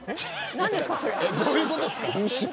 どういうことですか。